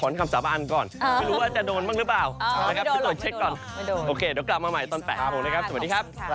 นั่นสิ